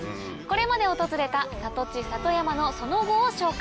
これまで訪れた里地里山のその後を紹介。